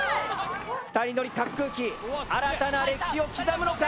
２人乗り滑空機新たな歴史を刻むのか。